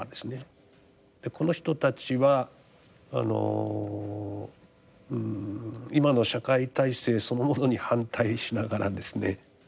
この人たちはあの今の社会体制そのものに反対しながらですね